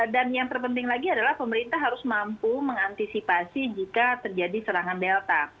dan yang terpenting lagi adalah pemerintah harus mampu mengantisipasi jika terjadi serangan delta